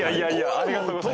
ありがとうございます。